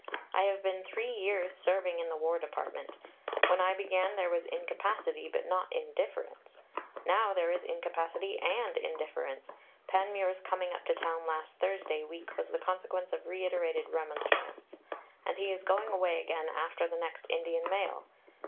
I have been three years "serving in" the War Department. When I began, there was incapacity, but not indifference. Now there is incapacity and indifference.... Panmure's coming up to town last Thursday week was the consequence of reiterated remonstrance.... And he is going away again after the next Indian mail.